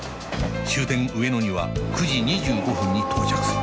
終点上野には９時２５分に到着する